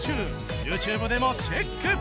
ＹｏｕＴｕｂｅ でもチェック！